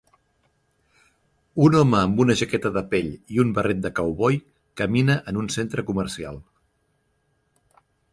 Un home amb una jaqueta de pell i un barret de cowboy camina en un centre comercial